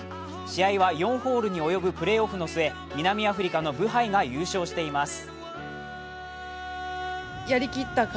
試合は４ホールに及ぶプレーオフの末、南アフリカのブハイが優勝しています。